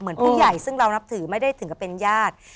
เหมือนผู้ใหญ่ซึ่งเรานับถือไม่ได้ถึงกับเป็นญาติ